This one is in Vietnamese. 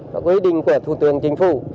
có quy định của thủ tướng chính phủ